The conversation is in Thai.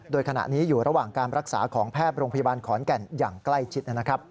โดยขณะนี้อยู่ระหว่างการรักษาของแพทย์โรงพยาบาลขอนแก่นอย่างใกล้ชิด